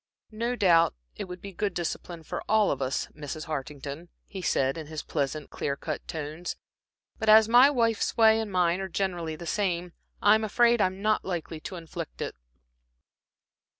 "No doubt, it would be good discipline for all of us, Mrs. Hartington," he said, in his pleasant, clear cut tones, "but as my wife's way and mine are generally the same, I'm afraid I'm not likely to inflict it."